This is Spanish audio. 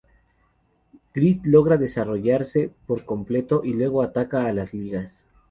Grid logra desarrollarse por completo y luego ataca a las Ligas.